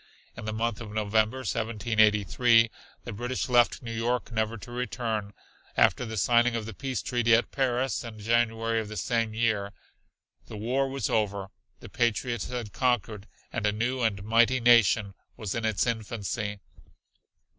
In the month of November, 1783, the British left New York never to return, after the signing of the peace treaty at Paris in January of the same year. The war was over, the patriots had conquered, and a new and mighty nation was in its infancy.